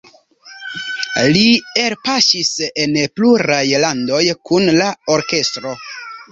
Li elpaŝis en pluraj landoj kun la orkestro.